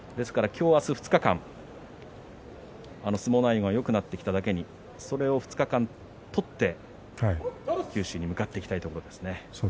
今日明日２日間相撲内容がよくなってきただけにそれを２日間、取って九州に向かっていきたいところそうですね。